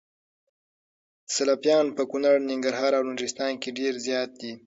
سلفيان په کونړ ، ننګرهار او نورستان کي ډير زيات دي